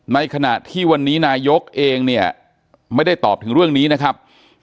ในขณะที่วันนี้นายกเองเนี่ยไม่ได้ตอบถึงเรื่องนี้นะครับ